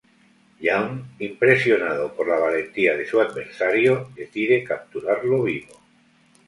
Young, impresionado por la valentía de su adversario, decide capturarlo vivo.